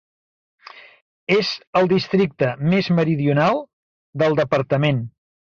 És el districte més meridional del departament.